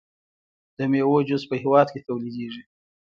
د میوو جوس په هیواد کې تولیدیږي.